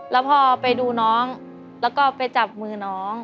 แล้วพอไปดูน้องแล้วก็ไปจับมือน้อง